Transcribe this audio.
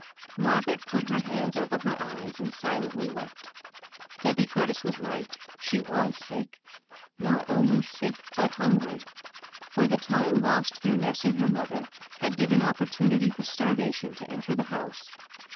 Margaret put her hands over her eyes, and silently wept. Debby Curtis was right : she was sick, not only sick but hungry ; for the time lost through nursing her mother had given opportu nity for starvation to enter the house.